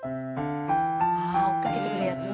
ああ追っかけてくるやつ。